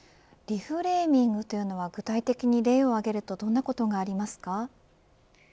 リフレーミングというのは具体的に例を挙げるとどんなことがありますか。